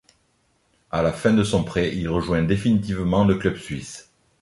À la fin de son prêt, il rejoint définitivement le club suisse.